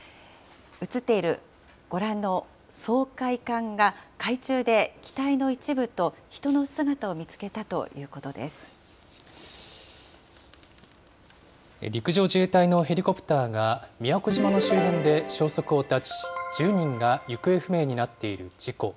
映っているご覧の掃海艦が、海中で機体の一部と人の姿を見つけた陸上自衛隊のヘリコプターが宮古島の周辺で消息を絶ち、１０人が行方不明になっている事故。